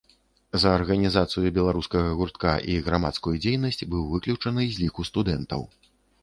За арганізацыю беларускага гуртка і грамадскую дзейнасць быў выключаны з ліку студэнтаў.